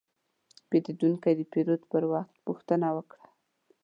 پیرودونکی د پیرود پر وخت پوښتنه وکړه.